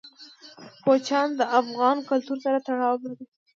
کوچیان د افغان کلتور سره تړاو لري.